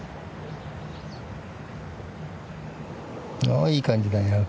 おいい感じだよ。